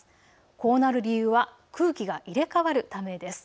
こうなる理由は空気が入れ替わるためです。